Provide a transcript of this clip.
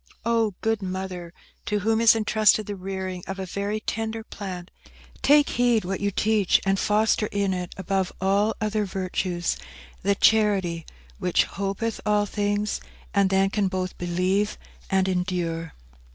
Oh, good Mother, to whom is entrusted the rearing of a very tender plant, take heed what you teach, and foster in it, above all other virtues, the charity which 'hopeth all things,' and then can both believe and endure."